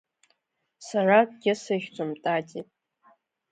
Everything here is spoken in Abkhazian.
Сара акгьы сыхьӡом, Тати.